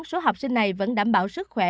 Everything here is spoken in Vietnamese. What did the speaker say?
số học sinh này vẫn đảm bảo sức khỏe